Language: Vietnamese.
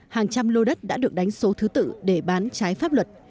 hàng trăm lô đất đã được đánh số thứ tự để bán trái pháp luật